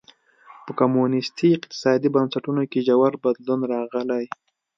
په کمونېستي اقتصادي بنسټونو کې ژور بدلونونه راغلي.